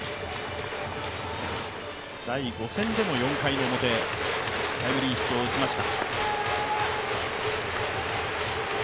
第５戦でも４回表、タイムリーヒットを打ちました。